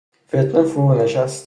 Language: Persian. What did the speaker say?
فتنه فرو نشست